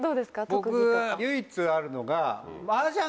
僕唯一あるのが。